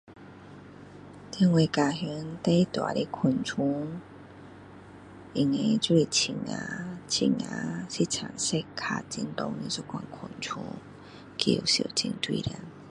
在我家乡最大的昆虫应该就是蜻蜓，蜻蜓是青色，脚很长这款的昆虫，叫的时候很大声。